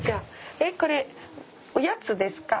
えこれおやつですか？